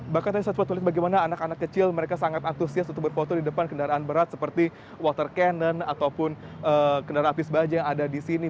bahkan tadi saya sempat melihat bagaimana anak anak kecil mereka sangat antusias untuk berfoto di depan kendaraan berat seperti water cannon ataupun kendaraan apis baja yang ada di sini